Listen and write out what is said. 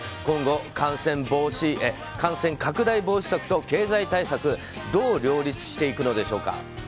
今後、感染拡大防止策と経済対策どう両立していくのでしょうか。